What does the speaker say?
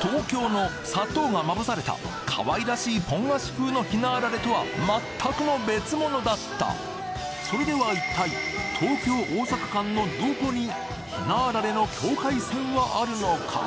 東京の砂糖がまぶされた可愛らしいポン菓子風のひなあられとは全くの別物だったそれでは一体東京大阪間のどこにひなあられの境界線はあるのか？